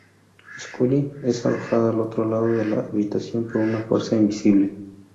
Scully es arrojada al otro lado de la habitación por una fuerza invisible.